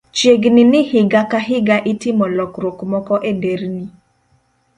Chiegni ni higa ka higa, itimo lokruok moko e nderni